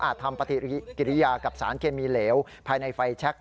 ทำปฏิกิริยากับสารเคมีเหลวภายในไฟแชค